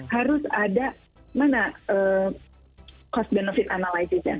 harus ada mana cost benefit analysis nya